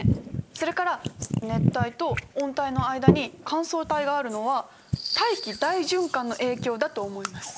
それから熱帯と温帯の間に乾燥帯があるのは大気大循環の影響だと思います。